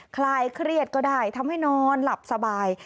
คลายเครียดก็ได้ทำให้นอนหลับสบาย